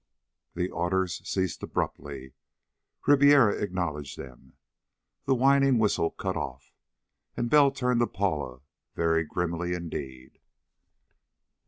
The orders ceased abruptly. Ribiera acknowledged them. The whining whistle cut off. And Bell turned to Paula very grimly indeed.